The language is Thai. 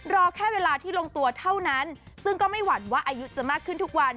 รอแค่เวลาที่ลงตัวเท่านั้นซึ่งก็ไม่หวั่นว่าอายุจะมากขึ้นทุกวัน